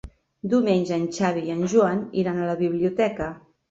Diumenge en Xavi i en Joan iran a la biblioteca.